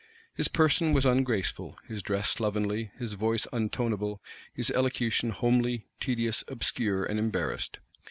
His person was ungraceful, his dress slovenly, his voice untonable, his elocution homely, tedious, obscure, and embarrassed.